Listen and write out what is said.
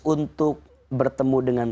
untuk bertemu dengan